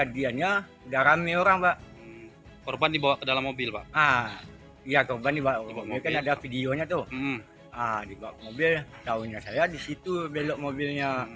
di bawah mobil tahunya saya disitu belok mobilnya